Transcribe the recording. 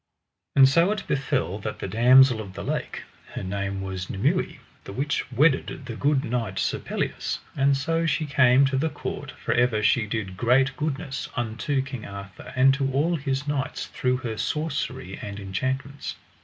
And so it befell that the damosel of the lake, her name was Nimue, the which wedded the good knight Sir Pelleas, and so she came to the court; for ever she did great goodness unto King Arthur and to all his knights through her sorcery and enchantments.